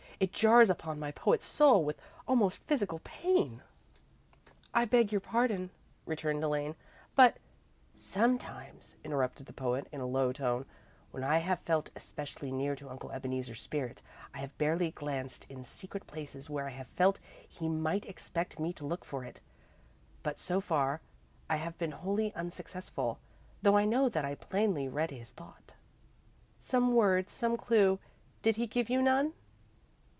It jars upon my poet's soul with almost physical pain." "I beg your pardon," returned Elaine, "but " "Sometimes," interrupted the poet, in a low tone, "when I have felt especially near to Uncle Ebeneezer's spirit, I have barely glanced in secret places where I have felt he might expect me to look for it, but, so far, I have been wholly unsuccessful, though I know that I plainly read his thought." "Some word some clue did he give you none?"